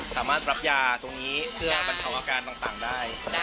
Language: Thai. สามารถรับยาตรงนี้เพื่อบรรเทาอาการต่างได้